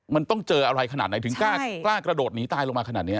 มันต้องเจออะไรขนาดไหนถึงกล้ากระโดดหนีตายลงมาขนาดนี้